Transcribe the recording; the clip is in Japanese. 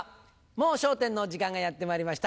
『もう笑点』の時間がやってまいりました。